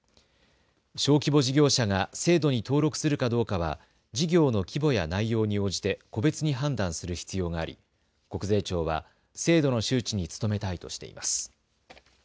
小規模事業者が制度に登録するかどうかは事業の規模や内容に応じて個別に判断する必要があり国税庁は制度の周知に努めたいとしています。